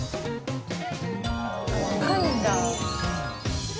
若いんだ。